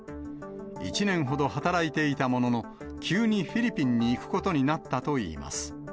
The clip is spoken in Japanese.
１年ほど働いていたものの、急にフィリピンに行くことになったといいます。